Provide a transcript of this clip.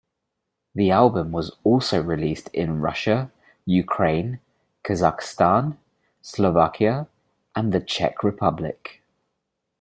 The album was also released in Russia, Ukraine, Kazakhstan, Slovakia, and the Czech Republic.